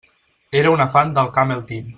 Era una fan del Camel Team.